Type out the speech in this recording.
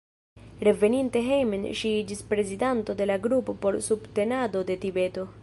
Reveninte hejmen ŝi iĝis prezidanto de la Grupo por Subtenado de Tibeto.